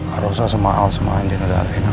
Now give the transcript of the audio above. harusnya sama al sama andi negara ini